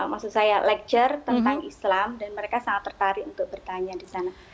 maksud saya lecture tentang islam dan mereka sangat tertarik untuk bertanya di sana